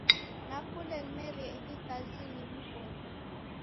Nakunde nimerie ihi kazi linu koni.